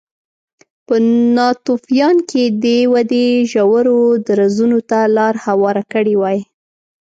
په ناتوفیان کې دې ودې ژورو درزونو ته لار هواره کړې وای